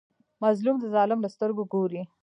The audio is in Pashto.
مظلوم د ظالم له سترګو ګوري.